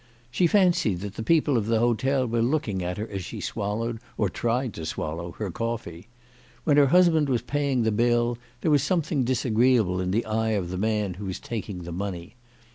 She fancied that the people of the hotel were looking at her as she swallowed, or tried to swallow, her coffee. When her husband was paying the bill there was something disagreeable in the eye of the man who was taking the money.